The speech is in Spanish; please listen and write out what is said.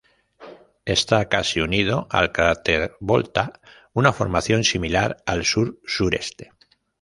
Está casi unido al cráter Volta, una formación similar al sur-sureste.